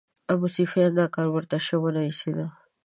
ابوسفیان دا کار ورته شه ونه ایسېده.